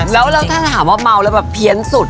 แล้วถ้าถามว่าเมาส์ที่เพี้ยงสุด